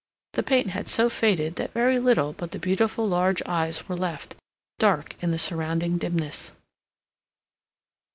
The paint had so faded that very little but the beautiful large eyes were left, dark in the surrounding dimness.